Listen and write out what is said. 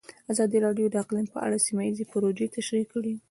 ازادي راډیو د اقلیم په اړه سیمه ییزې پروژې تشریح کړې.